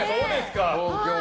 東京。